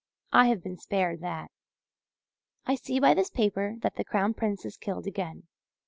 "I have been spared that. I see by this paper that the Crown Prince is killed again.